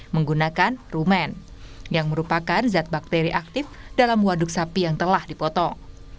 menggunakan rumen yang merupakan zat bakteri aktif dalam waduk sapi yang telah dipotong